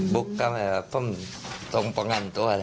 บุกเข้ามาผมส่งประงัดตัวเลยครับ